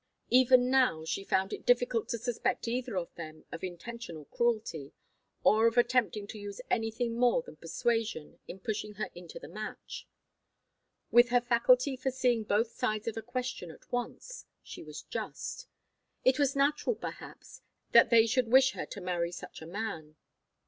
Even now, she found it difficult to suspect either of them of intentional cruelty, or of attempting to use anything more than persuasion in pushing her into the match. With her faculty for seeing both sides of a question at once, she was just. It was natural, perhaps, that they should wish her to marry such a man.